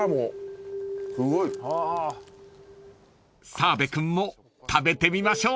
［澤部君も食べてみましょう］